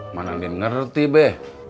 mana din ngerti be